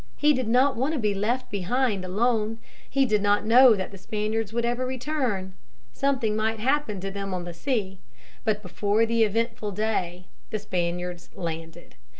He did not want to be left behind alone. He did not know that the Spaniards would ever return. Something might happen to them on the sea. But before the eventful day the Spaniards landed.